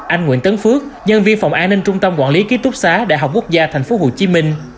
anh nguyễn tấn phước nhân viên phòng an ninh trung tâm quản lý ký túc xá đại học quốc gia thành phố hồ chí minh